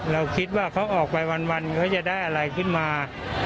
เราคิดว่าเขาออกไปวันเขาจะได้อะไรขึ้นมา